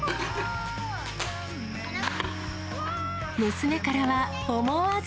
娘からは、思わず。